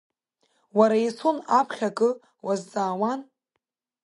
Уара, Иасон, аԥхьан акы уазҵаауан…